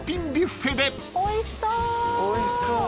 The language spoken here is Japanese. おいしそう。